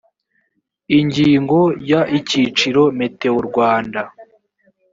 ingingo ya icyiciro metewo rwanda